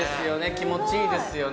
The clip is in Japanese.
気持ちいいですよね。